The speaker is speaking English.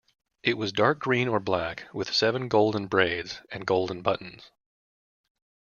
It was dark green or black with seven golden braids and golden buttons.